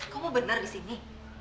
kok mau benar di sini